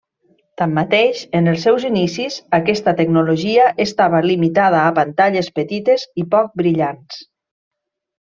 Tanmateix, en els seus inicis aquesta tecnologia estava limitada a pantalles petites i poc brillants.